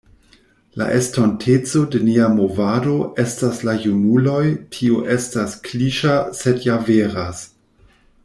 La estonteco de nia movado estas la junuloj, tio estas kliŝa sed ja veras.